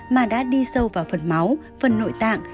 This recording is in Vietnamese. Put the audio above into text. mà đã đi sâu vào phần máu phần nội tạng